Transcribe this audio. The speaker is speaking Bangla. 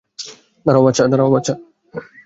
দাঁড়াও, বাছা।